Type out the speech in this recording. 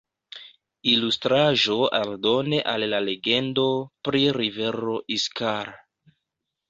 Ilustraĵo aldone al la legendo pri rivero Iskar.